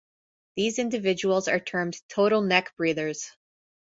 These individuals are termed total neck breathers.